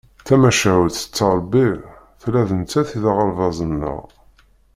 Tamacahut tettrebbi, tella d nettat i d aɣerbaz-nneɣ.